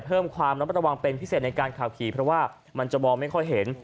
เพิ่มความระมัดระวังเป็นพิเศษในการขับขี่เพราะว่ามันจะมองไม่ค่อยเห็น